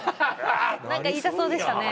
何か言いたそうでしたね。